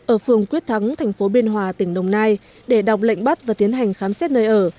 ở phường quyết thắng thành phố biên hòa tỉnh đồng nai để đọc lệnh bắt và tiến hành khám xét nơi ở